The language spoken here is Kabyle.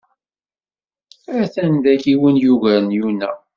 A-t-an dagi win yugaren Yuna.